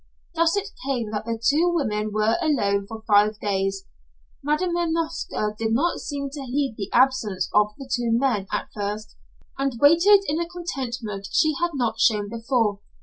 Thus it came that the two women were alone for five days. Madam Manovska did not seem to heed the absence of the two men at first, and waited in a contentment she had not shown before.